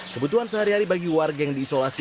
kebutuhan sehari hari bagi warga yang diisolasi